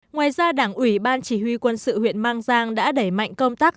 ngoài ra đảng ủy ban chỉ huy quân sự huyện mang giang đã đẩy mạnh công tác